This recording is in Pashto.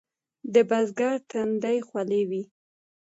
د بزګر تندی خوله وي.